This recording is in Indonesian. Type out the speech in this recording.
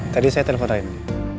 tadi saya telepon aja